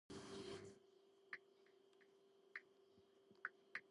ჩაჩაპოიასი მოქცეულია მდინარე ამაზონის ხეობაში.